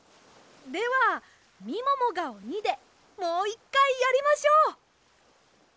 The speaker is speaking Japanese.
ではみももがおにでもういっかいやりましょう！